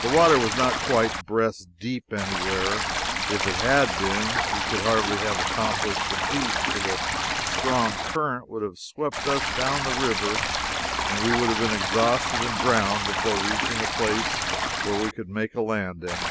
The water was not quite breast deep, any where. If it had been more, we could hardly have accomplished the feat, for the strong current would have swept us down the stream, and we would have been exhausted and drowned before reaching a place where we could make a landing.